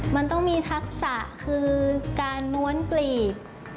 มันต้องมีทักษะคือการม้วนกลีบ